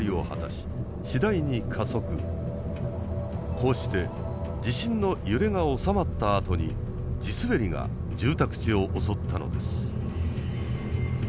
こうして地震の揺れが収まったあとに地滑りが住宅地を襲ったのです。